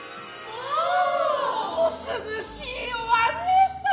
お涼しいお姉様。